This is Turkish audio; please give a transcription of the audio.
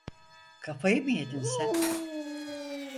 Kafayı mı yedin sen?